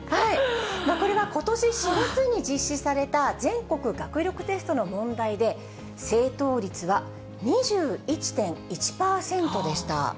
これはことし４月に実施された全国学力テストの問題で、正答率は２１．１％でした。